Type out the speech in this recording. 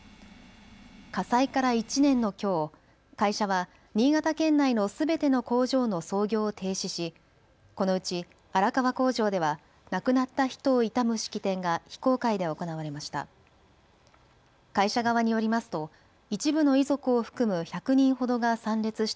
火災から１年のきょう会社は新潟県内のすべての工場の操業を停止し、このうち荒川工場では亡くなった人を悼む式典が非公開で行われました。